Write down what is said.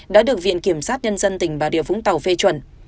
đã được viện kiểm sát nhân dân tỉnh bà rịa vũng tàu phê chuẩn